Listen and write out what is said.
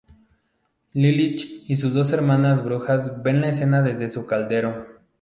Lilith y sus dos hermanas brujas ven la escena desde su caldero.